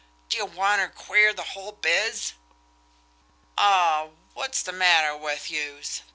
D'ye wanter queer the whole biz?" "Aw, wot's the matter wid youse!"